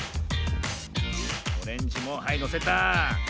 オレンジもはいのせた。